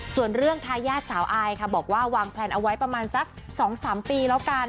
ส่วนเรื่องทายาทสาวอายค่ะบอกว่าวางแพลนเอาไว้ประมาณสัก๒๓ปีแล้วกัน